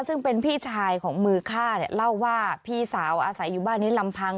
ซึ่งเป็นพี่ชายของมือฆ่าเนี่ยเล่าว่าพี่สาวอาศัยอยู่บ้านนี้ลำพัง